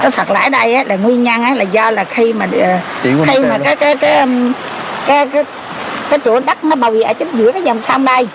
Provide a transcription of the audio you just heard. sạt lở ở đây là nguyên nhân là do khi mà cái chỗ đất nó bầu vị ở chính giữa cái dòng sông đây